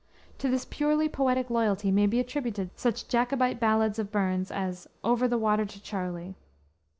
To this purely poetic loyalty may be attributed such Jacobite ballads of Burns as Over the Water to Charlie.